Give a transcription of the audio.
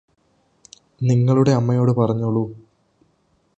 നിങ്ങളുടെ അമ്മയോട് പറഞ്ഞോളു